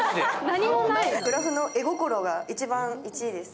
グラフの絵心が１位です。